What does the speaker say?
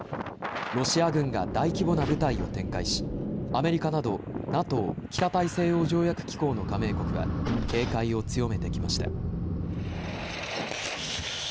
ロシア軍が大規模な部隊を展開し、アメリカなどＮＡＴＯ・北大西洋条約機構の加盟国は警戒を強めてきました。